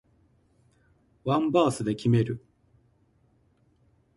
ワンバースで決める